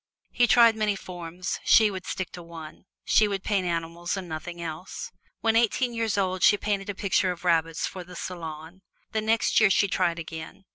He had tried many forms; she would stick to one. She would paint animals and nothing else. When eighteen years old, she painted a picture of rabbits, for the Salon. The next year she tried again.